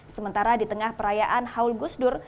sementara di tengah perayaan haul gusdur